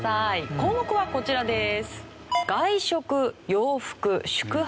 項目はこちらです。